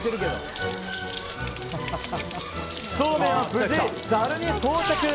そうめんは無事ざるに到着！